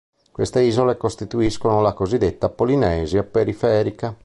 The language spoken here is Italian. Queste isole costituiscono la cosiddetta Polinesia periferica.